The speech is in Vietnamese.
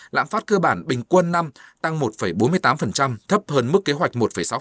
lãng phát cơ bản bình quân năm tăng một bốn mươi tám thấp hơn mức kế hoạch một sáu